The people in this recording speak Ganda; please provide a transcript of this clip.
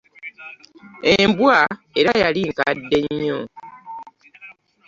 Embwa era yali nkadde nnyo.